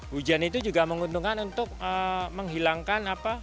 hujan itu juga menguntungkan untuk menghilangkan apa